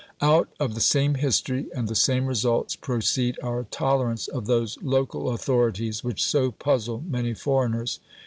Out of the same history and the same results proceed our tolerance of those "local authorities" which so puzzle many foreigners.